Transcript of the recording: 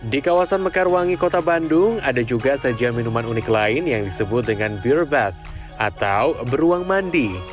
di kawasan mekarwangi kota bandung ada juga sajian minuman unik lain yang disebut dengan birback atau beruang mandi